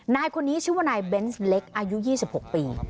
นายคนนี้ชื่อว่านายเบนส์เล็กอายุ๒๖ปี